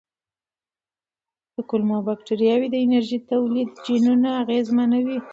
کولمو بکتریاوې د انرژۍ تولید جینونه اغېزمنوي.